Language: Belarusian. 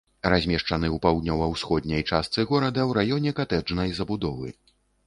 Размешчаны ў паўднёва-ўсходняй частцы горада ў раёне катэджнай забудовы.